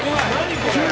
これ。